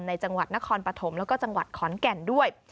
จังหวัดนครปฐมแล้วก็จังหวัดขอนแก่นด้วย